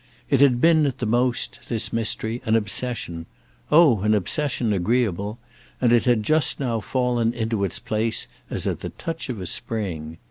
It had been at the most, this mystery, an obsession—oh an obsession agreeable; and it had just now fallen into its place as at the touch of a spring.